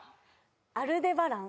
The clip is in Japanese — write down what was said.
「アルデバラン」